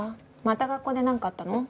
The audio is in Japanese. また学校でなんかあったの？